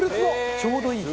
「ちょうどいい！」